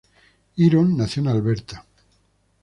Iron nació en Alberta.